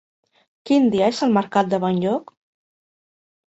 Quin dia és el mercat de Benlloc?